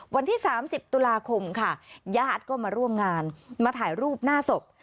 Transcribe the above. วันที่๓๐ตุลาคมค่ะญาติก็มาร่วมงานมาถ่ายรูปหน้าศพ